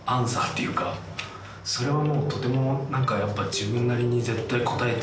それはもうとても何か自分なりに絶対応えて。